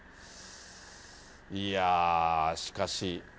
いやー、しかし。